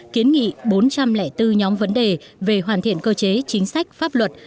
kiến nghị bốn trăm linh bốn nhóm vấn đề về hoàn thiện cơ chế chính sách pháp luật